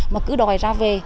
mà cứ đòi ra về